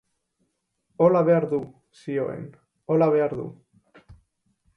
Hola behar du, zioen, hola behar du.